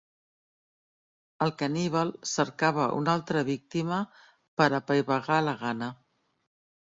El caníbal cercava una altra víctima per apaivagar la gana.